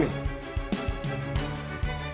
dia lagi hamil